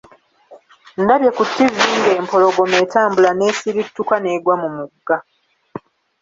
Ndabye ku ttivi ng'empologoma etambula n'esirittuka n'eggwa mu mugga.